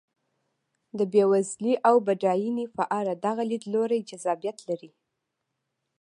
د بېوزلۍ او بډاینې په اړه دغه لیدلوری جذابیت لري.